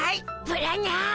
ブラニャー。